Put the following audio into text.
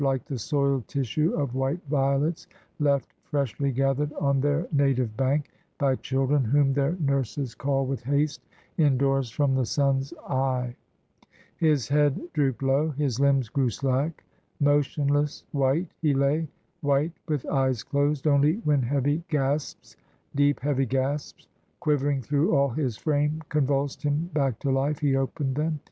Like the soil'd tissue of white violets Left, freshly gather'd, on their native bank, By children whom their nurses call with haste Indoors from the sun's eye; his head droop'd low, His limbs grew slack; motionless, white, he lay, White, with eyes clos'd; only when heavy gasps, Deep heavy gasps, quivering through all his frame, Convuls'd him back to life, he open'd them.